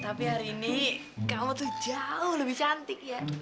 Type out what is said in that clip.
tapi hari ini kau tuh jauh lebih cantik ya